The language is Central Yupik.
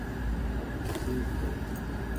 apuutuq